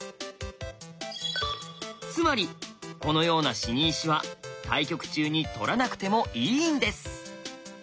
つまりこのような死に石は対局中に取らなくてもいいんです！